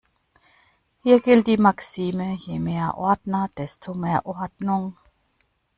Hier gilt die Maxime: Je mehr Ordner, desto mehr Ordnung.